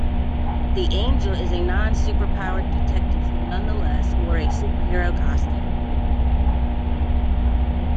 The Angel is a non-superpowered detective who nonetheless wore a superhero costume.